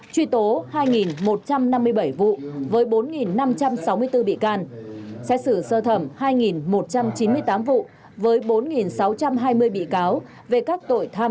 truy tố hai một trăm năm mươi bảy vụ với bốn năm trăm sáu mươi bốn bị can xét xử sơ thẩm hai một trăm chín mươi tám vụ với bốn sáu trăm hai mươi bị cáo về các tội tham